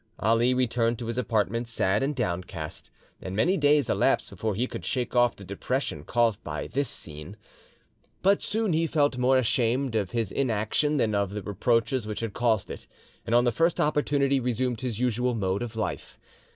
Ali returned to his apartment sad and downcast, and many days elapsed before he could shake off the depression caused by this scene. But soon he felt more ashamed of his inaction than of the reproaches which had caused it, and on the first opportunity resumed his usual mode of life.